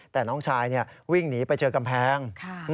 แต่น้องชายวิ่งหนีไปเจอกำแพง